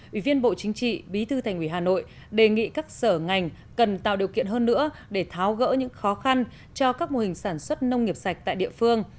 ủy viên bộ chính trị bí thư thành ủy hà nội đề nghị các sở ngành cần tạo điều kiện hơn nữa để tháo gỡ những khó khăn cho các mô hình sản xuất nông nghiệp sạch tại địa phương